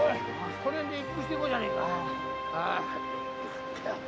この辺で一服していこうじゃねぇか。